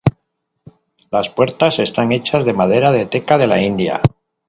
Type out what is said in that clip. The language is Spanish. Las puertas están hechas de madera de teca de la India.